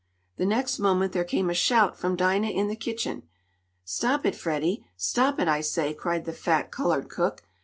The next moment there came a shout from Dinah in the kitchen. "Stop it, Freddie. Stop it, I say!" cried the fat, colored cook.